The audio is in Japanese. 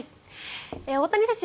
大谷選手